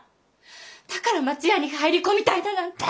だから松屋に入り込みたいだなんて。